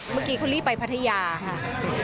เมื่อกี้เขารีบไปพัทยาค่ะ